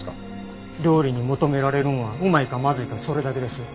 料理に求められるんはうまいかまずいかそれだけです。